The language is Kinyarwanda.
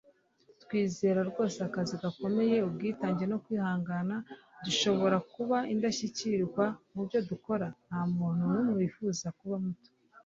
twizera rwose akazi gakomeye, ubwitange no kwihangana, dushobora kuba indashyikirwa mubyo dukora. nta muntu n'umwe wifuza kuba muto